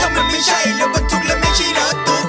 ถ้ามันไม่ใช่รถระวัตถุและไม่ใช่รถตุก